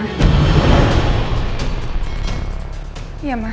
apa elsa sudah berubah